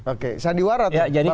oke sandiwara tuh bang habib